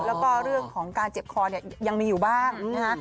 แล้วก็เรื่องของการเจ็บคอเนี่ยยังมีอยู่บ้างนะคะ